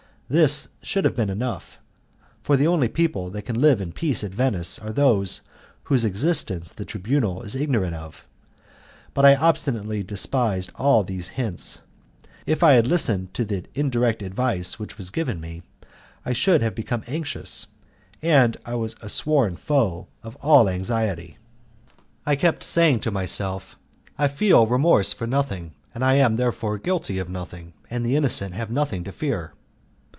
This should have been enough, for the only people who can live in peace at Venice are those whose existence the Tribunal is ignorant of, but I obstinately despised all these hints. If I had listened to the indirect advice which was given me, I should have become anxious, and I was the sworn foe of all anxiety. I kept saying to myself, "I feel remorse for nothing and I am therefore guilty of nothing, and the innocent have nothing to fear."